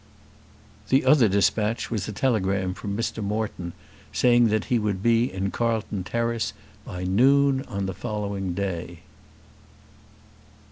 The other despatch was a telegram from Mr. Moreton saying that he would be in Carlton Terrace by noon on the following day.